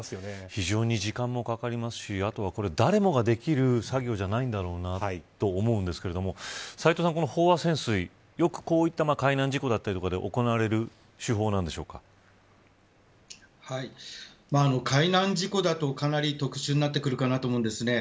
非常に時間もかかりますしあとは、誰もができる作業じゃないんだろうなと思うんですが斎藤さん、この飽和潜水よくこういった海難事故だったりで海難事故だと、かなり特殊になってくるかと思うんですね。